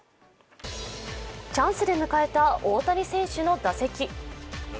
チャンスで迎えた大谷選手の打席。